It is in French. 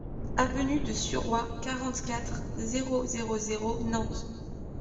Avenue de Suroit, quarante-quatre, zéro zéro zéro Nantes